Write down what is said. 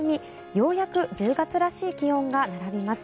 ようやく１０月らしい気温が並びます。